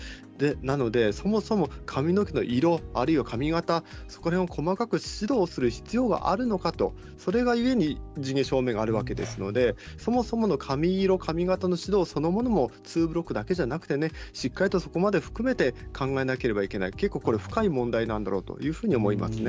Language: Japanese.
なので、そもそも髪の毛の色、あるいは髪形を細かく指導する必要があるのかと、それがゆえに地毛証明があるわけですのでそもそもの髪色、髪形そのものの指導をツーブロックだけではなくてそこまで含めて考えなければいけない、結構深い問題なんだろうと思います。